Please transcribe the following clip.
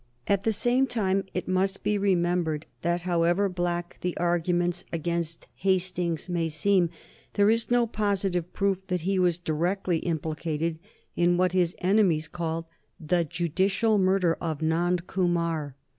At the same time it must be remembered that, however black the arguments against Hastings may seem, there is no positive proof that he was directly implicated in what his enemies called the judicial murder of Nand Kumar.